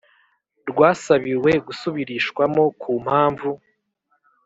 Rwasabiwe gusubirishwamo ku mpamvu